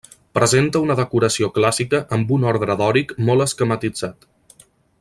Presenta una decoració clàssica amb un ordre dòric molt esquematitzat.